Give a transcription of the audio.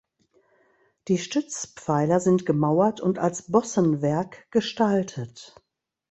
Die Stützpfeiler sind gemauert und als Bossenwerk gestaltet.